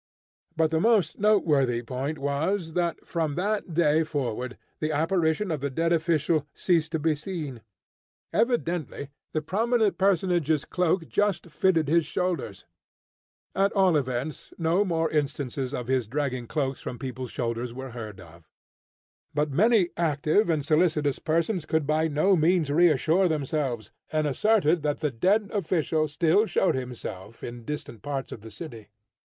But the most noteworthy point was, that from that day forward the apparition of the dead official ceased to be seen. Evidently the prominent personage's cloak just fitted his shoulders. At all events, no more instances of his dragging cloaks from people's shoulders were heard of. But many active and solicitous persons could by no means reassure themselves, and asserted that the dead official still showed himself in distant parts of the city.